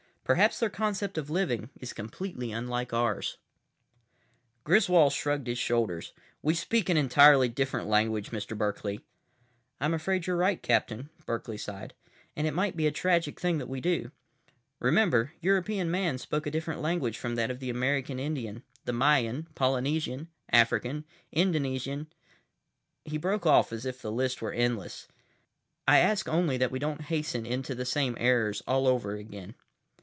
Perhaps their concept of living is completely unlike ours." ———— Griswold shrugged his shoulders. "We speak an entirely different language, Mr. Berkeley." "I'm afraid you're right, Captain," Berkeley sighed. "And it might be a tragic thing that we do. Remember, European man spoke a different language from that of the American Indian, the Mayan, Polynesian, African, Indonesian—" He broke off as if the list were endless. "I ask only that we don't hasten into the same errors all over again."